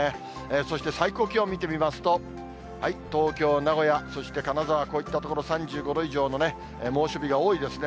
そして最高気温見てみますと、東京、名古屋、そして金沢、こういった所、３５度以上の猛暑日が多いですね。